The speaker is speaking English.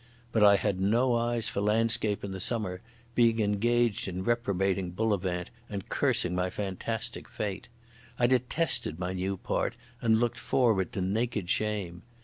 But I had no eyes for landscape and the summer, being engaged in reprobating Bullivant and cursing my fantastic fate. I detested my new part and looked forward to naked shame.